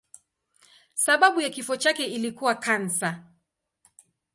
Sababu ya kifo chake ilikuwa kansa.